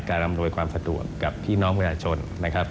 อำนวยความสะดวกกับพี่น้องประชาชนนะครับ